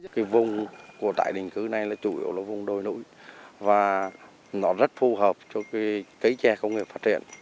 cái vùng của tái định cư này là chủ yếu là vùng đồi núi và nó rất phù hợp cho cái cây tre công nghiệp phát triển